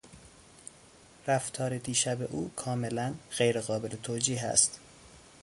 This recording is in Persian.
رفتار دیشب او کاملا غیر قابل توجیه است.